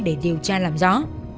để điều tra làm rõ